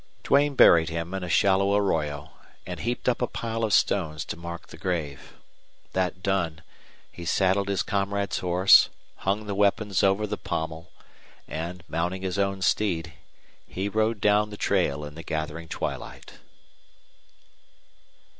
Duane buried him in a shallow arroyo and heaped up a pile of stones to mark the grave. That done, he saddled his comrade's horse, hung the weapons over the pommel; and, mounting his own steed, he rode down the trail in the gathering twilight.